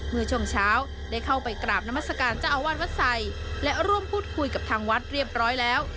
เมื่อช่วงเช้าได้เข้าไปกราบนามัศกาลเจ้าอาวาสวัดใส่และร่วมพูดคุยกับทางวัดเรียบร้อยแล้ว